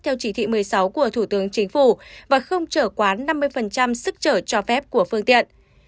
theo chỉ thị một mươi sáu của thủ tướng chính phủ và không trở quá năm mươi sức trở cho phép của phương tiện